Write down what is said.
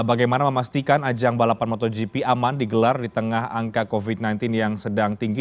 bagaimana memastikan ajang balapan motogp aman digelar di tengah angka covid sembilan belas yang sedang tinggi